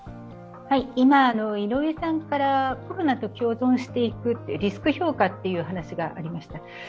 今、井上さんから、コロナと共存うしていく、リスク評価という話がありました。